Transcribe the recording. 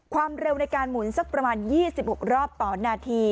ความเร็วในการหมุนสักประมาณ๒๖รอบต่อนาที